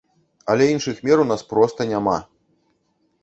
Але іншых мер у нас проста няма!